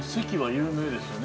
◆有名ですね。